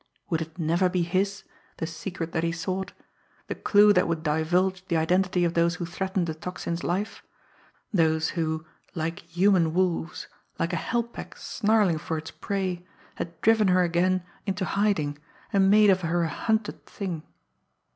Would it never be his, the secret that he sought the clue that would divulge the identity of those who threatened the Tocsin's life; those who, like human wolves, like a hell pack snarling for its prey, had driven her again into hiding and made of her a hunted thing!